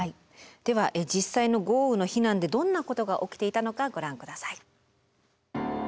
では実際の豪雨の避難でどんなことが起きていたのかご覧下さい。